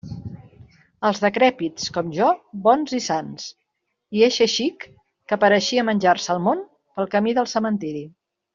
Els decrèpits com jo, bons i sans, i eixe xic que pareixia menjar-se el món, pel camí del cementiri.